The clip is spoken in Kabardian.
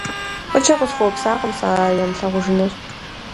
ФӀыкӀэ къысхуэупсакъым сэ а ямылъагъужыныр.